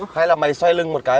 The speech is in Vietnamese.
hay là mày xoay lưng một cái